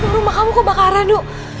rumah kamu kebakaran nuk